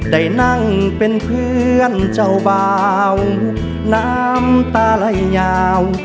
ได้นั่งเป็นเพื่อนเจ้าเบาน้ำตาไหลยาว